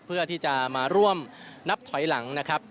เพื่อที่จะมาร่วมนับถอยหลังนะครับ